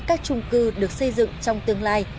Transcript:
các trung cư được xây dựng trong tương lai